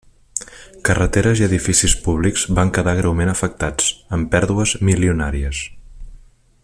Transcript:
Carreteres i edificis públics van quedar greument afectats, amb pèrdues milionàries.